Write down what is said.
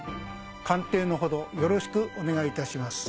鑑定のほどよろしくお願いいたします。